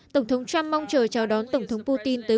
tổng thống trump mong chờ chào đón tổng thống putin tới